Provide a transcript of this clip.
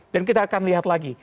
dan kita akan lihat lagi